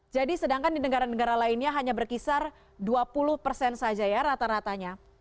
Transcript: jadi sedangkan di negara negara lainnya hanya berkisar dua puluh persen